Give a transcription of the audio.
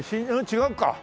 違うか。